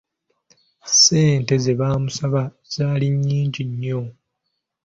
Ssente ze baamusaba zaali nyingi nnyo.